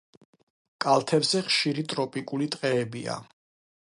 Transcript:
კალთებზე ხშირი ტროპიკული ტყეებია.